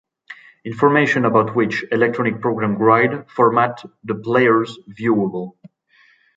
Information about which Electronic program guide format the players viewable.